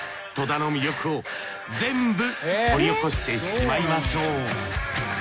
戸田の魅力を全部掘り起こしてしまいましょう。